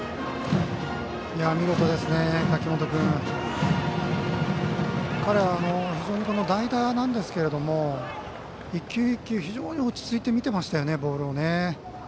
見事ですね、柿本君。彼は代打なんですけども１球１球、非常に落ち着いて見てましたね、ボールを。